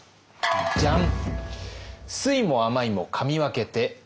じゃん。